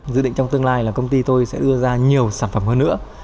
dự định trong tương lai là công ty tôi sẽ đưa ra nhiều sản phẩm hơn nữa